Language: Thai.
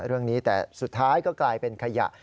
เรื่องนี้แต่สุดท้ายก็กลายเป็นขยะ